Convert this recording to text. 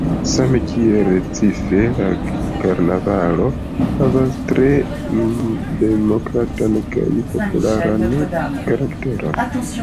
Same kiel Recife la karnavalo havas tre demokratan kaj popularan karakteron.